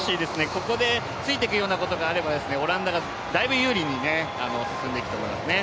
ここでついていくようなことがあればオランダがだいぶ有利に進んでいくと思いますね。